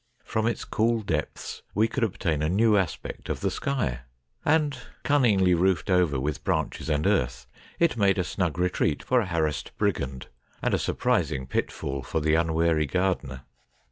From its cool ON DIGGING HOLES 109 depths we could obtain a new aspect of the sky ; and, cunningly roofed over with branches and earth, it made a snug retreat for a harassed brigand and a surprising pitfall for the unwary gardener.